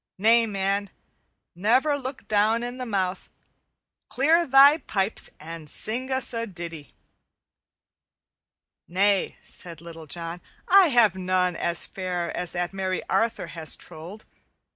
Nay, man, never look down in the mouth. Clear thy pipes and sing us a ditty." "Nay," said Little John, "I have none as fair as that merry Arthur has trolled.